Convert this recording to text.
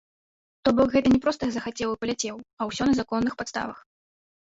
То бок, гэта не проста, захацеў і паляцеў, а ўсё на законных падставах.